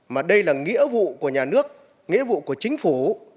mà đây là nghĩa vụ của nhà nước nghĩa vụ của chính phủ